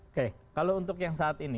oke kalau untuk yang saat ini